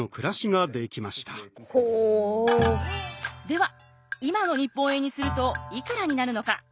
では今の日本円にするといくらになるのか？